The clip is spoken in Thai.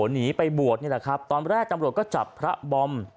หนีไปบวชนี่แหละครับตอนแรกตำรวจก็จับพระบอม